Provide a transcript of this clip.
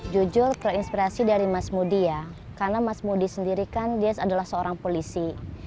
jujur terinspirasi dari mas moody ya karena mas moody sendiri kan dia adalah seorang polisi